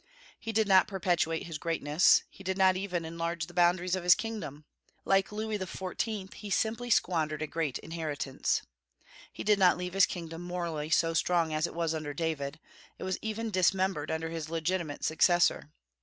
He did not perpetuate his greatness; he did not even enlarge the boundaries of his kingdom. Like Louis XIV. he simply squandered a great inheritance. He did not leave his kingdom morally so strong as it was under David; it was even dismembered under his legitimate successor.